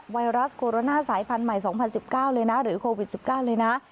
ไวรัสโคโรนาสายพันธุ์ใหม่๒๐๑๙เลยนะหรือโควิด๑๙เลยนะ